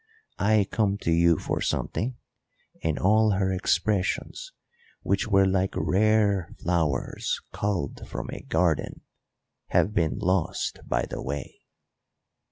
I come to you for something, and all her expressions, which were like rare flowers culled from a garden, have been lost by the way.